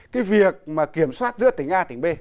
cái việc mà kiểm soát giữa tỉnh a tỉnh b